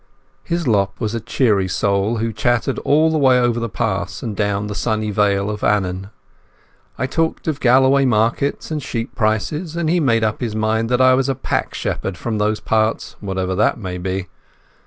Hislop was a cheery soul, who chattered all the way over the pass and down the sunny vale of Annan. I talked of Galloway markets and sheep prices, and he made up his mind I was a "pack shepherd" from those parts—whatever that may be.